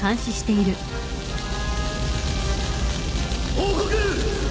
報告！